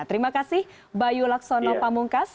terima kasih bayu laksono pamungkas